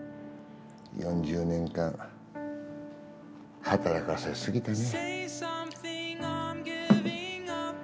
４０年間働かせすぎたね。